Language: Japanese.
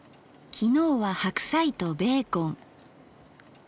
昨日は白菜とベーコン。